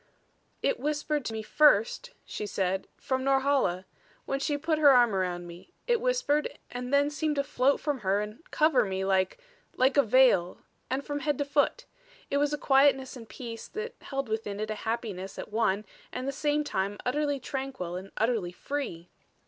"It whispered to me first," she said, "from Norhala when she put her arm around me. It whispered and then seemed to float from her and cover me like like a veil, and from head to foot. It was a quietness and peace that held within it a happiness at one and the same time utterly tranquil and utterly free.